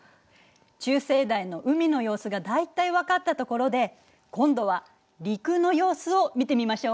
中生代の海の様子が大体分かったところで今度は陸の様子を見てみましょうか。